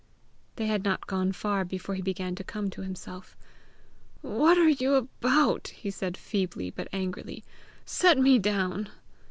They had not gone far before he began to come to himself. "What are you about?" he said feebly but angrily. "Set me down."